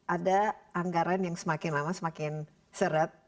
ada anggaran yang semakin lama semakin seret